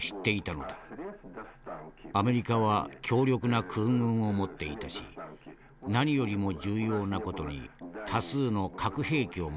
アメリカは強力な空軍を持っていたし何よりも重要な事に多数の核兵器を持っていた。